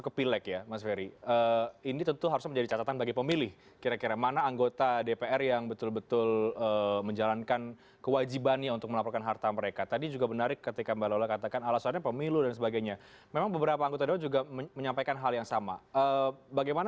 kita masih membahas dan mempertanyakan